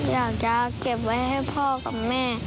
อยากจะเก็บไว้ให้พ่อกับแม่